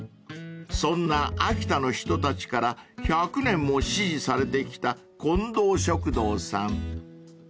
［そんな秋田の人たちから１００年も支持されてきたこんどう食堂さん］